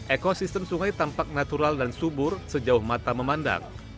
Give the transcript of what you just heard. ekosistem sungai tampak natural dan subur sejauh mata memandang